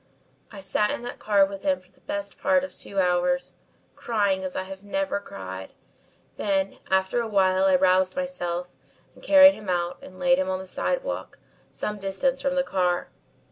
"I sat in that car with him for the best part of two hours, crying as I never have cried, then after a while I roused myself and carried him out and laid him on the sidewalk, some distance from the car.